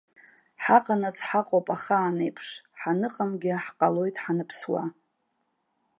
Ҳаҟанаҵ ҳаҟоуп ахаанеиԥш, ҳаныҟамгьы ҳҟалоит ҳаныԥсуа.